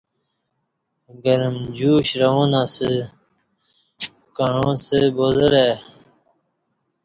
گرم جوشی روان ازہ کعاں ستہ بازارآئی